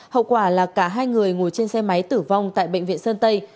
hậu quả là cả hai người ngồi trên xe máy tử vong tại bệnh viện sơn tây